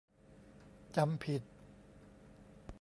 จำผิด